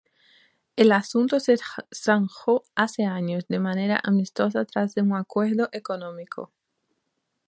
El asunto se zanjó hace años de manera amistosa tras un acuerdo económico.